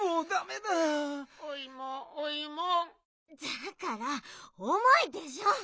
だから「おもい」でしょ！